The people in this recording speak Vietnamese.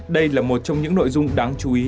đây là một trong những nội dung đáng chú ý